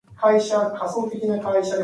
It is noted for a difficult solo part.